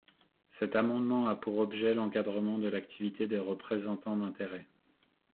Cet amendement a pour objet l’encadrement de l’activité des représentants d’intérêts.